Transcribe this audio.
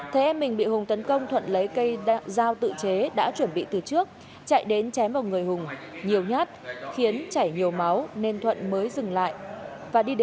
thấy em mình bị hùng tấn công thuận lấy cây dao tự chế đã chuẩn bị từ trước chạy đến chém vào người hùng nhiều nhát khiến chảy nhiều máu nên thuận mới dừng lại và đi